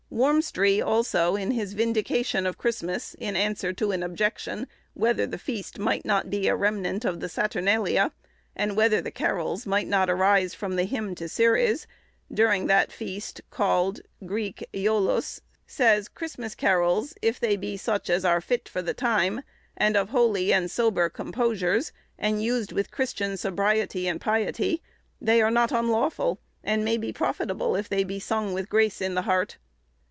Warmstry, also, in his 'Vindication of Christmas,' in answer to an objection, whether the feast might not be a remnant of the Saturnalia, and whether the carols might not arise from the hymn to Ceres, during that feast called [Greek: ioulos], says "Christmasse Kariles, if they be such as are fit for the time, and of holy and sober composures, and used with Christian sobriety and piety, they are not unlawfull, and may be profitable, if they be sung with grace in the heart."